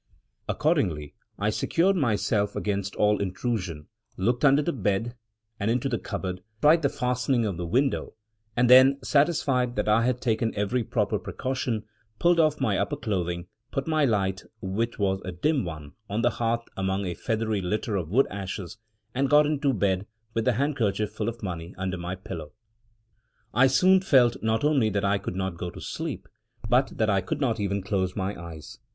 Accordingly, I secured myself against all intrusion; looked under the bed, and into the cupboard; tried the fastening of the window; and then, satisfied that I had taken every proper precaution, pulled off my upper clothing, put my light, which was a dim one, on the hearth among a feathery litter of wood ashes, and got into bed, with the handkerchief full of money under my pillow. I soon felt not only that I could not go to sleep, but that I could not even close my eyes.